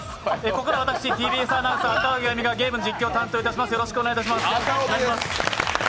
ここからは私、ＴＢＳアナウンサー、赤荻歩がゲームの実況を担当します。